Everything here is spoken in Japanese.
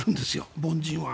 凡人は。